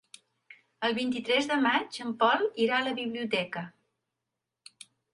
El vint-i-tres de maig en Pol irà a la biblioteca.